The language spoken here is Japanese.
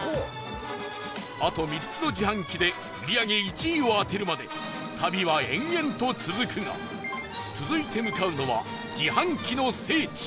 あと３つの自販機で売り上げ１位を当てるまで旅は延々と続くが続いて向かうのは自販機の聖地